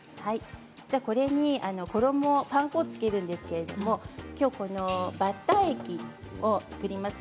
これに、衣パン粉をつけるんですがバッター液を作ります。